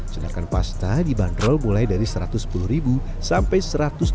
sedangkan pasta dibanderol mulai dari rp satu ratus sepuluh sampai satu ratus dua puluh